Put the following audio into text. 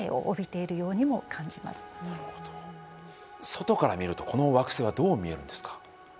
外から見るとこの惑星はどう見えるんですか？